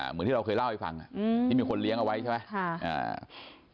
เหมือนที่เราเคยเล่าให้ฟังที่มีคนเลี้ยงเอาไว้ใช่ไหม